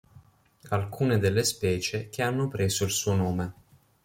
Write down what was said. Alcune delle specie che hanno preso il suo nome.